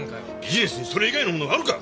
ビジネスにそれ以外のものがあるか！